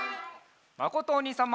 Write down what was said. まことおにいさんも！